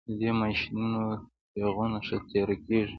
د دې ماشینونو تیغونه ښه تیره کیږي